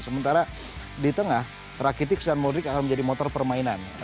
sementara di tengah trakitics dan modric akan menjadi motor permainan